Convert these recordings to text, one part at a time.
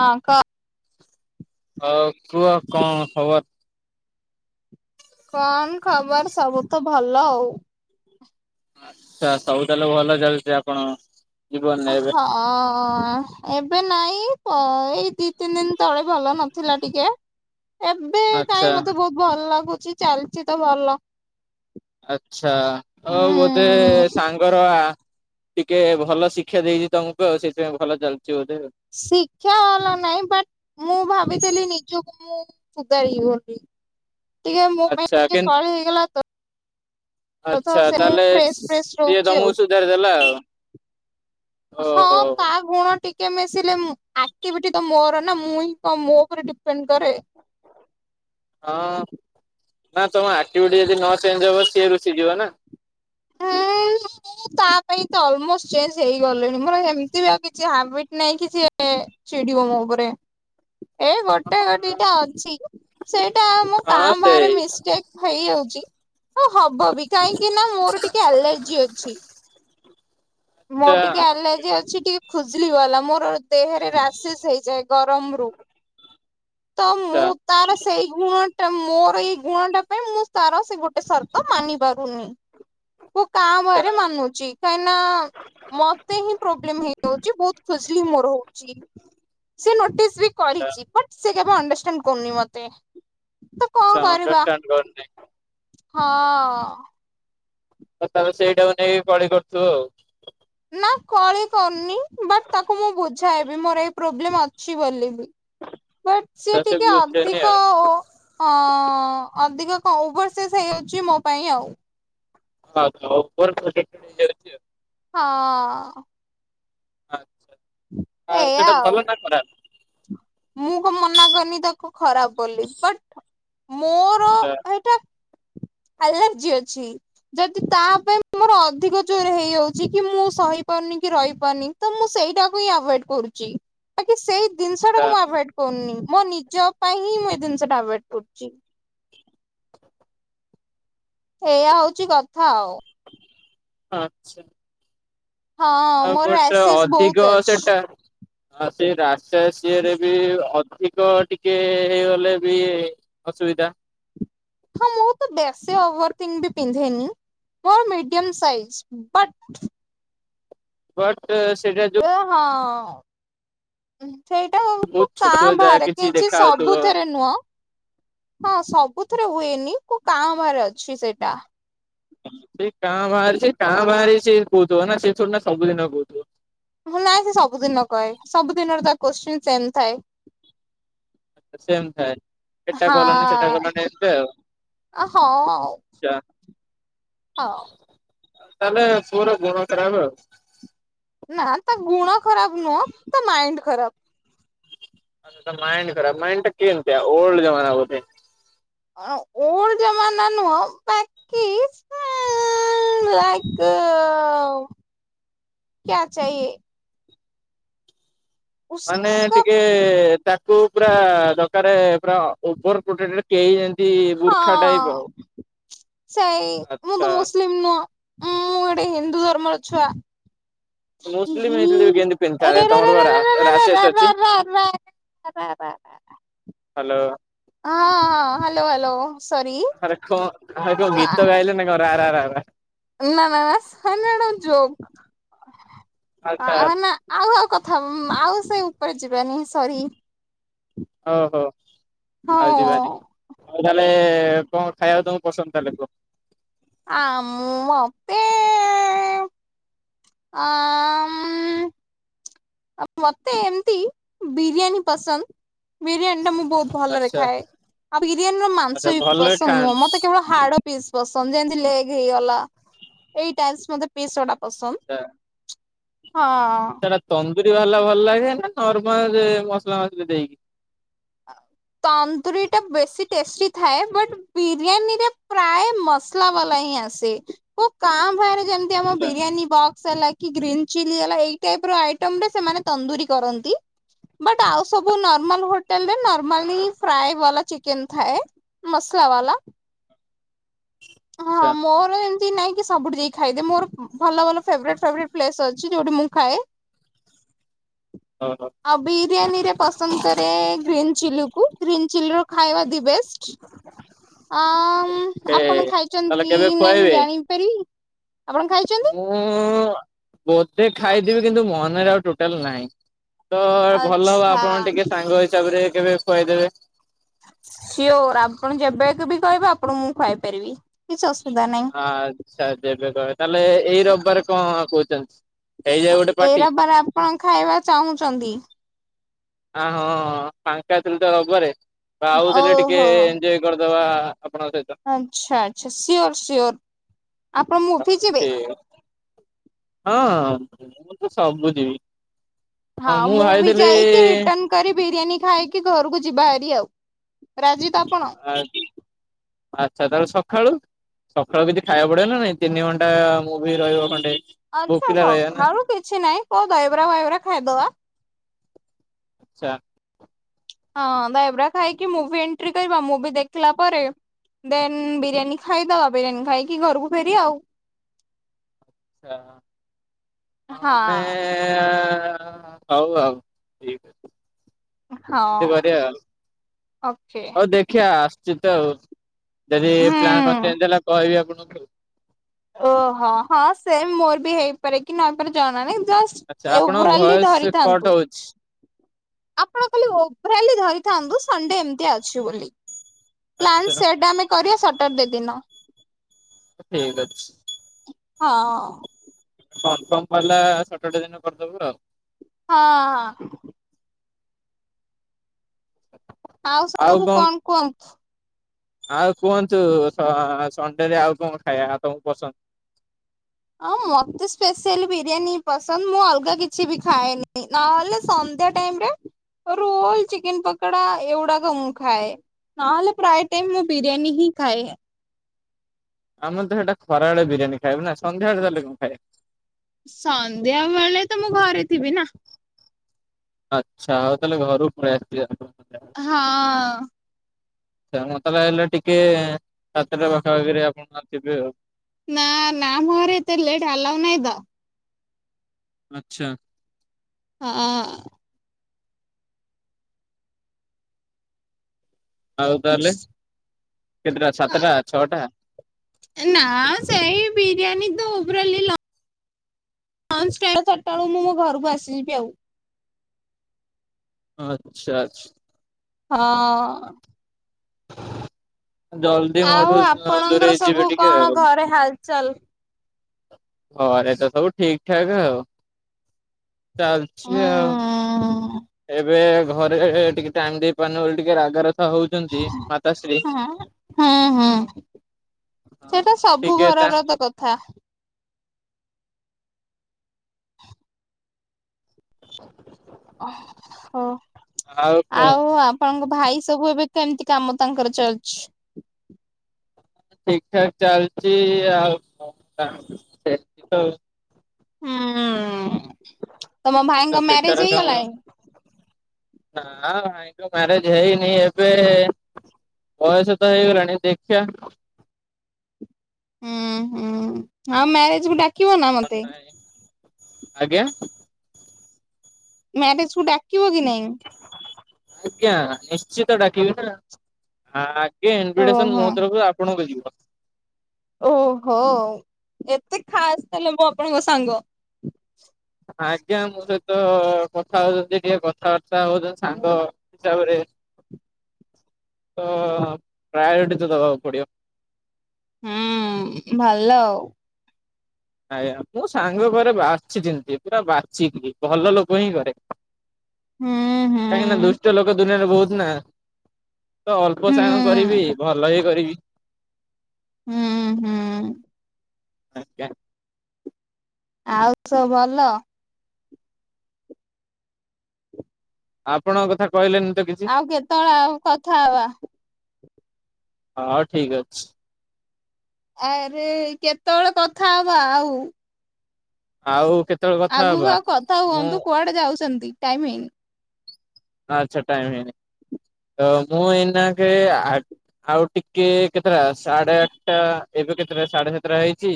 ହଁ କ ଆଉ କୁହ କଣ ଖବର? କଣ ଖବର ସବୁ ତ ଭଲ ଆଉ। ଆଛା ସବୁ ତାହେଲେ ଭଲ ଚାଲିଛି ଆପଣ ଅ ଜୀବନରେ ଏବେ ହଁ। ଏବେ ନାଇଁ ତ ଏଇ ଦି ତିନି ଦିନ ତଳେ ଭଲ ନଥିଲା ଟିକେ। ଏବେ ଆଚ୍ଛା କାଇଁ ମତେ ବହୁତ ଭଲ ଲାଗୁଛି ଚାଲିଛି ତ ଭଲ। ଆଚ୍ଛା ହ ବୋଧେ ହୁଁ ସା ଙ୍କର ଟିକେ ଭଲ ଶିକ୍ଷା ଦେଇଛି ତମକୁ ଆଉ ସେଥିପାଇଁ ଭଲ ଚାଲିଛି ବୋଧେ ଆଉ। ଶିକ୍ଷା ବାଲା ନାହିଁ ବଟ୍ ମୁଁ ଭାବିଥିଲି ନିଜକୁ ମୁଁ ଫୁଗାଇବି ବୋଲି। ଟିକେ ମୋ ପାଇଁ ଆଚ୍ଛା ଟିକେ କେନ୍ କଳି ହେଇଗଲା ତ। ତଥ ଆଚ୍ଛା ସେ ଫ୍ରେସ୍ ଫ୍ରେସ୍ ରହୁଛି ଆଉ। ଯାରଦେଲା ଆଉ। ହଁ ଓହୋ। ପା ଲୁଣ ଟିକେ ମିଶିଲେ ଆକ୍ଟିଭିଟି ତ ମୋର ନା ମୁଁ ହିଁ କଁ ମୋ ଉପରେ ଡିପେଣ୍ଡ କରେ। ହଁ ନା ତମ ଆକ୍ଟିଭିଟି ଯଦି ନ ଚେଞ୍ଜ ହବ ସିଏ ରୁଷିଯିବ ନା। ହୁଁ ଉଁ। ତା ପାଇଁ ତ ଅଲମୋଷ୍ଟ ଚେଞ୍ଜ ହେଇଗଲିଣି ମୋର ଏମିତି ବି ଆଉ କିଛି ହାବିଟ ନାଇଁ କି ଯେ ଛିଡି଼ବ ମୋ ଉପରେ। ଏ ଗୋଟେ ଦିଟା ଅଛି ସେଇଟା ମୁଁ କାଁ ହଁ ଭାଁରେ ସେଇ ମିଷ୍ଟେକ୍ ହେଇଯାଉଛି ହଁ ହବ ବି କାହିଁକି ନା ମୋର ଟିକେ ଆଲାର୍ଜି ଅଛି। ଆଚ୍ଛା ମୋର ଟିକେ ଆଲାର୍ଜି ଅଛି ଟିକେ ଖୁଜିଲ ବାଲା ମୋର ଦେହରେ ରାସେସ୍ ହେଇଯାଏ। ଗରମ ରୁ ତ ଆଚ୍ଛା ମୁଁ ତାର ସେଇ ଗୁଣ ଟା ମୋର ଏଇ ଗୁଣ ଟା ପାଇଁ ମୁଁ ତାର ସେ ଗୋଟେ ସର୍ତ୍ତ ମାନି ପାରୁନି। ମୁଁ କା ଆଚ୍ଛା ଭରେ ମାନୁଛି କାହିଁକିନା ମତେ ହିଁ ପ୍ରୋବ୍ଲେମ୍ ହେଇଯାଉଛି ବହୁତ୍ ଖୁଜିଲି ମୋର ହଉଛି। ସେ ନୋଟିସ୍ ବି ଆଚ୍ଛା। କରିଛି ବଟ୍ ସେ ଜମା ଅଣ୍ଡରଷ୍ଟାଣ୍ଡ କରୁନି ମତେ ତ ଆଚ୍ଛା କଣ କରିବା? ଅଣ୍ଡରଷ୍ଟାଣ୍ଡ କରୁନି ହଁ ଅ। ତ ତମେ ସେଇଟାକୁ ନେଇକି କଳି କରୁଥିବୁ ଆଉ। ନା କଳି କରୁନି ବଟ୍ ତାକୁ ମୁଁ ବୁଝାଇବି ମୋର ଏଇ ପ୍ରୋବ୍ଲେମ୍ ଅଛି ବୋଲିି। ବଟ୍ ତା ସିଏ ସବୁ ଟିକେ ବୁଝେନି ଅଧିକ ଆଉ ଓ ହଁ ଅଧିକ କଣ ଓଭରସେସ୍ ହେଇ ଯାଉଛି ମୋ ପାଇଁ ଆଉ। ହଁ ତ ଓଭର ହେଇ ଯାଉଛି ଆଉ [unintelligible] ହଁ। ଆଚ୍ଛା ଆଉ ସେଟା ଭଲ ନା ଖରାପ୍। ମୁଁ କଣ ମନା କନି ତାକୁ ଖରାପ ବୋଲି ବଟ୍ ମୋର ଏଇଟା ଆଲାର୍ଜି ଅଛି। ଯଦି ତା ପାଇଁ ମୋର ଅଧିକ ଜୋରେ ହେଇଯାଉଛି କି ମୁଁ ସହି ପାରୁନି କି ରହିପାରୁନି ତ ମୁଁ ସେଇଟାକୁ ହିଁ ଆଭଏଡ୍ କରୁଛି। ବାକି ସେଇ ଜିନିଷ ଆଚ୍ଛା ଟାକୁ ମୁଁ ଆଭଏଡ କରୁନି ମୋ ନିଜ ପାଇଁ ହିଁ ମୁଁ ଏ ଜିନିଷଟା ଆଭଏଡ୍ କରୁଛି। ଏଇଆ ହଉଛି କଥା ଆଉ। ଆଛା। ହଁ ଆଉ ମୋର ଗୋଟେ ଆସେସ୍ ବହୁତ ଅଧିକ ଅଛି। ସେଟା ଆଉ ସେଇ ରାସ ସିରେ ବି ଅଧିକ ଟିକେ ହେଇଗଲେ ବି ଅସୁବିଧା। ହଁ ମୁଁ ତ ବେଶୀ ଓଭରଥିଙ୍ଗ ବି ପିନ୍ଧେ ନି ମୋର ମିଡିୟମ୍ ସାଇଜ ବଟ୍ ବଟ୍ ସେଇଟା ତ ଯୋଉ ହଁ ସେଇଟା ହଉକୁ ବହୁତ ଛୋଟ କାଆଁ ଯାହା ବାହାରେ କିଛି ଦେଖା ହାଉଥିବ ସବୁଥିରେ ନୁହଁ। ହଁ ସବୁଥିରେ ହୁଏନି କୋଉ କାଆଁ ଭାଆଁ ରେ ଅଛି ସେଇଟା। ସେଇ କାଁ ବାହାରେ ସେ ଭା ରେ ସେଇ କାଁ ଭା ରେ ସେ କହୁଥିବ ନା ସେ ଥୋଡି ନା ସବୁଦିନ କହୁଥିବ। ମୁଁ ନାଇଁ ସେ ସବୁଦିନ କହେ ସବୁ ଦିନରେ ତା କୋଶ୍ଚିନ୍ ସେମ୍ ଥାଏ। ସେମ୍ ଥାଏ ଏଟା କଲଣି ସେଟା ହଁ କଲଣି ଏମତି ଆଉ। ଚା ହଁ। ତାହେଲେ ପୁଅର ଗୁଣ ଖରାପ୍ ଆଉ। ନା ତା ଗୁଣ ଖରାପ ନୁହଁ ତା ମାଇଣ୍ଡ ଖରାପ୍। ମାଇଣ୍ଡ ଖରାପ୍ ମାଇଣ୍ଡ ଟା କେମିତି ଓଲଡ୍ ଜମନା ବୋଧେ। ହଁ ଓଲ୍ଡ ଜମାନା ନୁହ ପା କିସ୍ ଲାଇକ କ୍ୟା ଚାହିଏ? ମାନେ ଉସକା ଟିକେ ତାକୁ ପୁରା ଦକାର ପୁରା ଅ ଓଭର ପ୍ରୋଟେକ୍ଡ୍ କେହି ଯେମିତି ବୁର୍ଖା ଟାଇପ୍ ହଁ ଆଉ। ସେଇ ମୁଁ ତ ଆଚ୍ଛା ମୁସଲିମ ନୁହଁଁ ମୁଁ ଗୋଟେ ହିନ୍ଦୁ ଧର୍ମର ଛୁଆ। ଇ ମୁସଲିମ ହି ହେଇଥିଲେ ବି କେମିତି ପିନ୍ଧିଥାନ୍ତେ ଏୟାରେ ତମର ରେ ବା ରେ ରେ ରେ ରା ରାସେସ୍ ରା ରା ଅଛି। [unintelligible] ରା ରା ରା ରା [unintelligible] ହାଲୋ। ହଁ ହଁ ହ୍ୟାଲୋ ହ୍ୟାଲୋ। ସରି ହ ଅର ଗୀତ ଗାଇଲେ ନା ଆରା ରା ରା। ନା ନା ନା ହ ଯୋକ ଆଚ୍ଛା ଆ ନା ଆଉ ଆଉ କଥା ଆଉ ସେ ଉପରେ ଯିବାନି ସରି। ଓହୋ ଆଉ ଯିବାନି ହଁ ଆଉ ତାହେଲେ କଣ ଖାଇବାକୁ ତମକୁ ପସନ୍ଦ ତାହାଲେ କୁହ। ଆମ ମତେ ଆ ଅମ୍ ଆ ମତେ ଏମିତି ବିରିୟାନୀ ପସନ୍ଦ। ବିରିୟାନୀ ଟା ମୁଁ ବହୁତ ଭଲରେ ଆଚ୍ଛା ଖାଏ ଆଉ ବିରିୟାନୀର ଆଚ୍ଛା ମାଂସ ବି ଭଲରେ ପସନ୍ଦ ନୁହଁ ମ ଖାଆନ୍ତି। ମତେ କେବଳ ହାଡ ପିସ୍ ପସନ୍ଦ ଯେମତି ଲେଗ ହେଇଗଲା ଏଇ ଟାସ ମତେ ପିସ୍ ଗୁଡ଼ା ପସନ୍ଦ ଆଚ୍ଛା ହଁ। ସେଟା ତନ୍ଦୁରୀ ବାହାରିଲା ଭଲ ଲାଗେ ନା ନର୍ମାଲ ମସଲା ମସଲି ଦେଇକି। ତନ୍ଦୁରୀ ଟା ବେଶୀ ଟେଷ୍ଟି ଥାଏ ବଟ ବିରିୟାନୀ ରେ ପ୍ରାୟ ମସ୍ ଲା ବାଲା ହିଁ ଆସେ କାଁ ଭରେ ଯେମିତି ଆମ ଆଚ୍ଛା ବିରିୟାନୀ ବକ୍ସ ହେଲା କି ଗ୍ରୀନ୍ ଚିଲି ହେଲା ଏଇ ଟାଇପ ର ଆଇଟମ ରେ ସେମାନେ ତନ୍ଦୁରୀ କରନ୍ତି। ବଟ୍ ଆଉ ସବୁ ନର୍ମାଲ ହୋ ନର୍ମାଲି ଫ୍ରଏ ବାଲା ଚିକେନ ଥାଏ ମସଲା ବାଲା। [inaudible] ହଁ ମୋ ଏମିତି ନାଇଁ କି ସବୁଠି ଯାଇ ଖାଇ ଦିଏ ମୋର ଭଲ ଭଲ ଫେବରେଟ ଫେବରେଟ ପ୍ଲେସ ଅଛି ଯୋଉଠି ମୁଁ ଖାଏ। ହ ହ ଆଉ ବିରିୟାନୀ ରେ ପସନ୍ଦ କରେ ଗ୍ରୀନ୍ ଚିଲି କୁ ଗ୍ରୀନ୍ ଚିଲି ର ଖାଇବା ଦି ବେଷ୍ଟ। ଆମ ଏ ଆପଣ ଖାଇଛନ୍ତି ତାହେଲେ କି କେବେ ନାଇଁ ମୁଁ ଖୁଆଇବେ? ଜାଣିପାରିବି ଆପଣ ଖାଇ ମୁଁ ବୋଧେ ଖାଇଥିବି କିନ୍ତୁ ମନରେ ଆଉ ଟୋ ଟଲ ନହିଁ ତ ଭଲ ହବ ଆଚ୍ଛା ଆପଣ ଟିକେ ସାଙ୍ଗ ହିସାବରେ କେବେ ଖୁଆଇଦେବେ। ସିଓର ଆପଣ ଯେବେକୁ ବି କହିବେ ଆପଣଙ୍କୁ ମୁଁ ଖୁଆଇ ପାରିବି କିଛି ଅସୁବିଧା ନାହିଁ। ଆଚ୍ଛା ଯେବେ କହ ତାହେଲେ ଏଇ ରବିବାର କଣ କହୁଛନ୍ତି। ହେଇଯାଉ ଗୋଟେ ଏ ପାର୍ଟି ରବାର ଆପଣ ଖାଇବା ଚାହୁଁଛନ୍ତି। ଆ ହଁ ଫାଙ୍କା ଥିଲେ ତ ହବରେ ଆଉଥିଲେ ଟିକେ ଓହୋ ଏଞ୍ଜୟ କରିଦବା ଆପଣଙ୍କ ସହିତ। ଆଚ୍ଛା ଆଚ୍ଛା ସିଓର ସିଓର ଆପଣ ମୁଭିି ଯିବେ। ଠିକ ହଁ ମୁଁ ତ ସବୁ ଯିବି ହଁ ମୁଁ ବି ଭାଇଥିଲି ଯାଇକି ରିଟର୍ଣ କରି ବିରିୟାନୀ ଖାଇକି ଘରକୁ ଯିବା ହେରି ଆଉ ରାଜି ତ ଆପଣ। ଆଚ୍ଛା ଆଚ୍ଛା ତାହାଲେ ସକାଳୁ ସକାଳୁ କିଛି ଖାଇବା ପଡିବ ନା ନାଇଁ ତିନି ଘଣ୍ଟା ମୁଭି ରହିବ ଖଣ୍ଟେ। ଆଛା ସକାଳୁ କିଛି ନାଇଁ କୋଉ ଦହବରା ଫଇବରା ଖାଇଦବା। ଆଚ୍ଛା। ହଁ ଦହିବରା ଖାଇକି ମୁଭି ଏଣ୍ଟ୍ରି କରିବା ମୁଁଭି ଦେଖିଲା ପରେ ଦେନ୍ ବିରିୟାନୀ ଖାଇଦବା ବିରିୟାନୀ ଖାଇକି ଘରକୁ ଫେରିବା ଆଉ। ଆଛା ନ ନେ ହଁ ହଉ ଆଉ ଠିକ ଅଛି ଏମିତି ହଁ କରିବା ଆଉ। ଓକେ। ହଉ ଦେଖିବା ଆସୁଛି ତ ଆଉ ଯଦି ପ୍ଲାନ୍ ହୁଁ। ଚେଞ୍ଜ ହେଲା କହିବି ଆପଣଙ୍କୁ। ଓହୋ ହଁ ସେମ୍ ମୋର ବି ହେଇପାରେ କି ନହେଇ ପାରେ ଜଣାନି ଜସ ଆଚ୍ଛା ଆପଣଙ୍କ ଏବ୍ରଲି ଭଏସ କଟ୍ ଧରିଥାନ୍ତୁ। ହଉଛି ଆପଣ ଖାଲି ଓଭ୍ରାଲି ଧରିଥାନ୍ତୁ ସଣ୍ଡେ ଏମିତିଆ ଅଛି ବୋଲି। ପ୍ଲାନ୍ ଆଚ୍ଛା ସେଟ ଆମେ କରିଆ ସଟର୍ଡେ ଦିନ। ଠିକ୍ ଅଛି। ହଁ। କନଫର୍ମ ହେଲା ସଟର୍ଡେ ଦିନ କରିଦବୁ ଆଉ। ହଁ ହଁ। ଆଉ ସବୁ କଣ କୁହନ୍ତୁ? ଆଉ କୁହନ୍ତୁ ସଁ-ସଣ୍ଡେରେ ଆଉ କଣ ଖାଇବା ତମୁକୁ ପସନ୍ଦ୍? ହଁ ମତେ ସ୍ପେସିଆଲି ବିରିୟାନୀ ହିଁ ପସନ୍ଦ୍ ମୁଁ ଅଲଗା କିଛି ବି ଖାଏନି, ନହେଲେ ସନ୍ଧ୍ୟା ଟାଇମ୍ ରେ ରୋଲ୍ ଚିକେନ ପକଡା ଏଇଗୁଡାକ ମୁଁ ଖାଏ। ନହଲେ ପ୍ରାୟ ଟାଇମ୍ ମୁଁ ବିରିୟାନୀ ହିଁ ଖାଏ। ଆମେତ ହେଠେ ଖରାବେଳେ ବିରିୟାନ ଖାଇବୁ ନା ସନ୍ଧ୍ୟାବେଳେ ତାହଲେ କଣ ଖାଇବା? ସନ୍ଧ୍ୟାବେଳେ ତ ମୁଁ ଘରେ ଥିବି ନା। ଆଚ୍ଛା ଆଉ ତାହେଲେ ଘରୁକୁ ପଳେଇ ଆସଥିବା। [inaudible] ହଁ। ଆଚ୍ଛା ମୁଁ ତାହେଲେ ହେଲେ ଟିକେ ସାତଟା ପାଖାପାଖିରେ ଆପଣ ଥିବେ ଆଉ। ନାଁ ନାଁ ଆମ ଘରେ ଏତେ ଲେଟ୍ ଆଲାଉ ନାହିଁ ତ। ଆଚ୍ଛା। ହଁ ଆଉ ତାହେଲେ କେତେଟା ସାତଟା ଛଅଟା? ଏଁ ନାଁ ସେଇ ବିରିୟାନି ତ ଓଭ୍ରାଲି ଲ ଲଞ୍ଚ୍ ଟା-ଚାରିଟା ବେଳୁ ମୁଁ ମୋ ଘରକୁ ଆସିିଯିବି ଆଉ। ଆଚ୍ଛା ଆଚ୍ଛା। ହଁ। ଜଲଦି ଆଉ ମୋଠୁ ଉ ଆପଣଙ୍କର ଦୂରେଇ ସବୁ ଯିବେ ଟିକେ କଣ ଆଉ। ଘରେ ହାଲଚାଲ? ଘରେ ତ ସବୁ ଠିକଠାକ୍ ଆଉ ଚାଲଚି ହୁଁ ଆଉ। ଏବେ ଘରେ ଟିକେ ଟାଇମ୍ ଦେଇ ପାରୁନ ବୋଲି ଟିକେ ରାଗ ରାଗି ହଉଚନ୍ତି ମାତାଶ୍ରୀ ହଁ ହୁଁ ହୁଁ ହଁ ସେଇଟା ସବୁ ଠିକେ ତା ଘରର ତ କଥା [unintelligible] [inaudible] ଅ ହୋ ଆଉ ଆପ୍ ଆପଣଙ୍କ ଭାଇ ସବୁ ଏବେ କେମିତି କାମ ତାଙ୍କର ଚାଲିଚି? ଠିକ୍ ଠାକ୍ ଚାଲଚି ଆଉ କଣ୍ ତା ସେମତି ତ ଆଉ। ହୁଁ, ତମ ତା ଭାଇଙ୍କ ମ୍ୟାରେଜ ହେଇଗଲାଣି? ନାଁ ଭାଇଙ୍କ ମ୍ୟାରେଜ୍ ହେଇନି ଏବେ ବୟସ ତ ହେଇଗଲାଣି ଦେଖିଆ ହୁଁ ହୁଁ ଆଉ ମ୍ୟାରେଜକୁ ଡାକିବ ନା ମତେ? ଆଜ୍ଞା! ମ୍ୟାରେଜ୍ କୁ ଡାକିବ କି ନାଇଁ? ଆଜ୍ଞା, ନିଶ୍ଚିତ ଡାକିବି ନା। ଆଗେ ଇନଭିଟେସନ ମୋ ଓହୋ ତରଫରୁ ଆପଣଙ୍କୁ ଯିବ। ଓହୋ, ଏତେ ଖାସ୍ ତାହେଲେ ମୁଁ ଆପଣଙ୍କ ସାଙ୍ଗ! ଆଜ୍ଞା ମୋ ସହିତ କଥା ହଉଚନ୍ତି ଟିକେ କଥାବାର୍ତ୍ତା ହଉଚନ୍ତି ସାଙ୍ଗ ହୁଁ ହିସବାରେ ତ ପ୍ରାୟୋରିଟି ତ ଦେବାକୁ ପଡ଼ିବ। ହୁଁ ଭଲ ଆଉ। ଆଜ୍ଞା ମୁଁ ସାଙ୍ଗ ଘରେ ବାଛି ଚିନ୍ତି ପୁରା ବାଛିିକି ଭଲ ଲୋକ ହିଁ କରେ। ହୁଁ ହୁଁ କାହିଁକି ନା ଦୁଷ୍ଟ ଲୋକ ଦୁନିଆରେ ବହୁତ ନା। ତ ଅଳ୍ପ ହୁଁ ସାଙ୍ଗ କରିବି ଭଲ ହି କରିବି। ହୁଁ ହୁଁ। ଆଜ୍ଞା। ଆଉ ସବୁ ଭଲ? ଆପଣଙ୍କ କଥା କହିଲେନି ତ କିଛି? ଆଉ କେତେବେଳେ ଆଉ କଥା ହବା ହଁ ଠିକ ଅଛି। ଆରେ କେତେବେଳେ କଥା ହବା ଆଉ? ଆଉ କେତେବେଳୁକୁ ଆଗକୁ ଆଉ କଥା ହୁଅନ୍ତୁ, କୁଆଡେ ଯାଉଛନ୍ତି? ଟାଇମ ହେଇନି। ଆଛା, ଟାଇମ ହେଇନି, ତ ମୁଁ ଏଇନା କେଆ ଆଉ ଟିକେ କେତେଟା, ସାଢେ ଆଠଟା, ଏବେ କେତେଟା ସାଢେ ସାତଟା ହେଇଛି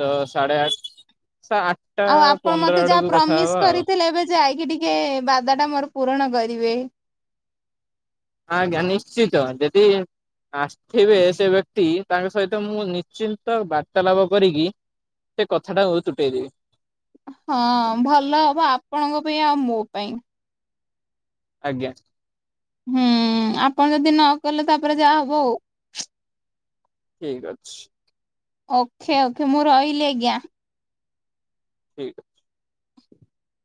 ତ ସା଼ଢ଼େ ଆଠ ସା ଆଠ ଆଉ ଆପଣ ମତେ ଯାହା ପ୍ରମିସି କରିଥିଲେ, ଏବେ ଯାଇକି ଟିକେ ବାଦା ଟା ମୋର ପୂରଣ କରିବେ। ଆଜ୍ଞା ନିଶ୍ଚିତ, ଯଦି ଆସିଥିବେ ସେ ବ୍ୟକ୍ତି, ତାଙ୍କ ସହିତ ମୁଁ ନିଶ୍ଚିନ୍ତ ବାର୍ତ୍ତାଲାପ କରିକି ସେ କଥାଟା ମୁଁ ତୁଟେଇଦେବି। ହଁ ଭଲ ହବ, ଆପଣଙ୍କ ପାଇଁ ଆଉ ମୋ ପାଇଁ। ଆଜ୍ଞା। ହୁଁ, ଆପଣ ଯଦି ନ କଲେ ତାପରେ ଯାହା ହବ ଆଉ। ଠିକ୍ ଅଛି। ଓକେ ଓକେ, ମୁଁ ରହିଲି ଆଜ୍ଞା? ଠିକ୍ [unintelligible]